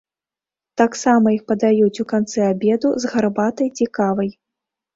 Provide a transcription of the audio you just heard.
Таксама іх падаюць у канцы абеду з гарбатай ці кавай.